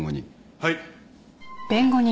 はい。